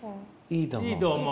いいと思う。